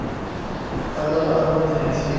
তা তো আমরা দেখেছিই।